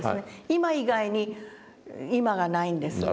今以外に今がないんですね。